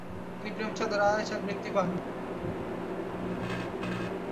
তিনি প্রেমচাঁদ-রায়চাদ বৃত্তি পান।